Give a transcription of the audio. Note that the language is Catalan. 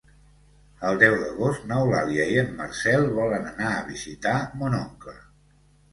El deu d'agost n'Eulàlia i en Marcel volen anar a visitar mon oncle.